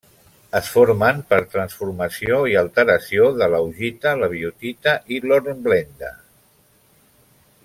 Es formen per transformació i alteració de l'augita, la biotita i l'hornblenda.